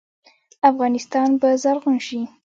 افغانستان به زرغون شي.